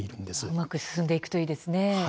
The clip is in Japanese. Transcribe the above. うまく進んでいくといいですね。